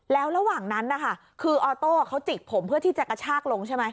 แล้วระหว่างนั้นนะคะคือออโต้เขาจิกผมเพื่อที่จะกระชากลงใช่ไหม